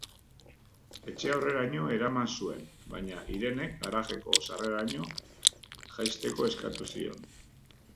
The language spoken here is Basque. Etxe aurreraino eraman zuen, baina Irenek garajeko sarreraraino jaisteko eskatu zion.